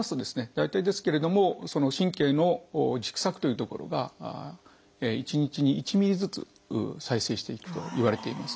大体ですけれどもその神経の軸索という所が１日に１ｍｍずつ再生していくといわれています。